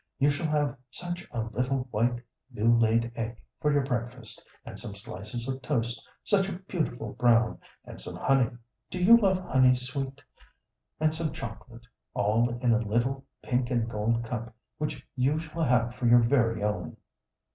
You shall have such a little, white, new laid egg for your breakfast, and some slices of toast, such a beautiful brown, and some honey. Do you love honey, sweet? And some chocolate, all in a little pink and gold cup which you shall have for your very own."